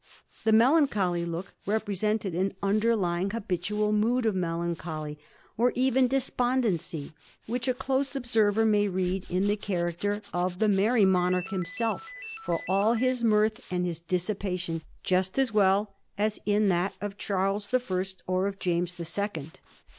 The melancholy look represented an underlying habitual mood of melancholy or even despondency, which a close observer may read in the character of Digiti zed by Google 1714 THE 'OLD PRETENDER.' 15 the ^ merry monarch ' himself, for all his mirth and his dissipation, just as well as in that of Charles the First or of James the Second.